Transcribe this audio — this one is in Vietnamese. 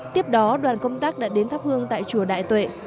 tiếp đó đoàn công tác đã đến thắp hương tại chùa đại tuệ